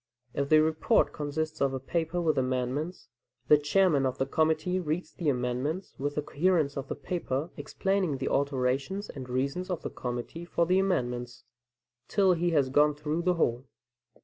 If the report consists of a paper with amendments, the chairman of the committee reads the amendments with the coherence in the paper, explaining the alterations and reasons of the committee for the amendments, till he has gone through the whole.